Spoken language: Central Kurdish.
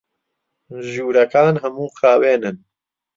ژوورەکان هەموو خاوێنن.